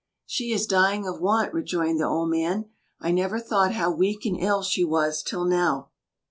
"She is dying of want," rejoined the old man, "I never thought how weak and ill she was till now."